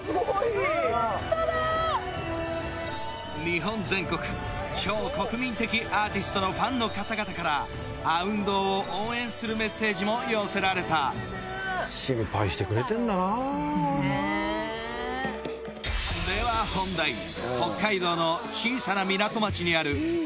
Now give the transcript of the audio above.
日本全国超国民的アーティストのファンの方々からあうん堂を応援するメッセージも寄せられた心配してくれてんだなーでは本題一体？